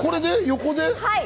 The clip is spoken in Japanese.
横で？